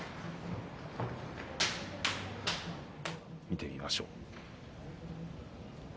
見てみましょう。